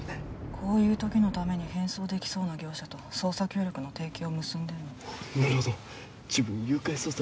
こういう時のために変装できそうな業者と捜査協力の提携を結んでんのなるほど自分誘拐捜査